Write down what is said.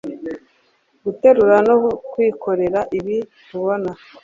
guterura no kwikorera ibi tubona